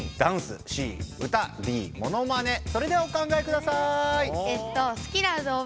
それではお考えください。